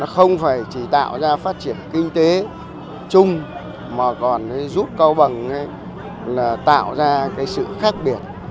phát triển kinh tế chung mà còn giúp cao bằng tạo ra sự khác biệt